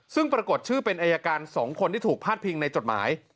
ซึ่งปรากฏชื่อเป็นอายการ๒คนที่ถูกพาดพิงในจดหมาย